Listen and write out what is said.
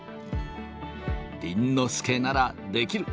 倫之亮ならできる！